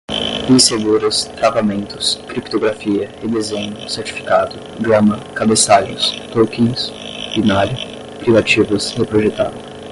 inseguras, travamentos, criptografia, redesenho, certificado, gama, cabeçalhos, tokens, binário, privativas, reprojetada